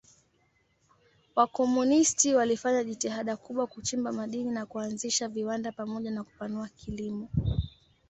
Wakomunisti walifanya jitihada kubwa kuchimba madini na kuanzisha viwanda pamoja na kupanua kilimo.